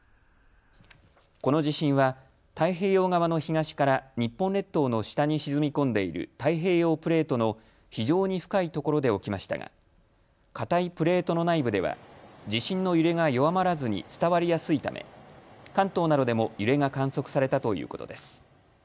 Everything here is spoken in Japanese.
この地震は太平洋側の東から日本列島の下に沈み込んでいる太平洋プレートの非常に深いところで起きましたが堅いプレートの内部では地震の揺れが弱まらずに伝わりやすいため関東などでも揺れが観測されたということです。